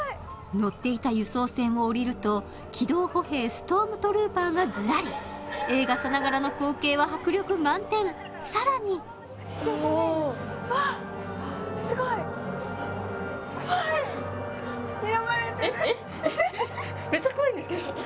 乗っていた輸送船を降りると機動歩兵ストームトルーパーがずらり映画さながらの光景は迫力満点さらにわっすごいえっえっ？